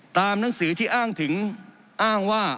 หนังสือที่อ้างถึงอ้างว่า